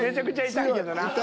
痛いけど。